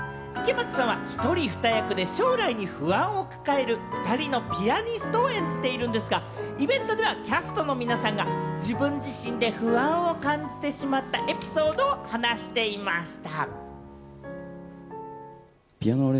池松さんは一人二役で、将来に不安を抱える２人のピアニストを演じているんですが、イベントではキャストの皆さんが自分自身で不安を感じてしまったエピソードを話していました。